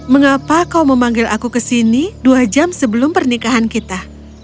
mengapa kau memanggil aku ke sini dua jam sebelum pernikahan kita